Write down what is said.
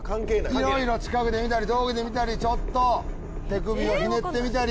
いろいろ近くで見たり遠くで見たりちょっと手首をひねってみたり。